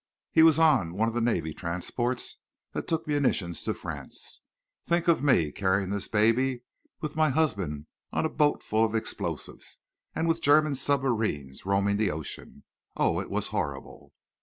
He was on one of the navy transports that took munitions to France. Think of me, carrying this baby, with my husband on a boat full of explosives and with German submarines roaming the ocean! Oh, it was horrible!"